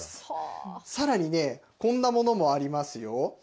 さらにね、こんなものもありますよ。